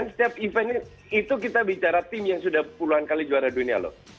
setiap event itu kita bicara tim yang sudah puluhan kali juara dunia loh